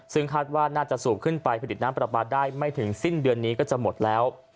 ซึ่งคาดว่าน่าจะสูบขึ้นไปผลิตน้ำปลาปลาได้ไม่ถึงสิ้นเดือนนี้ก็จะหมดแล้ว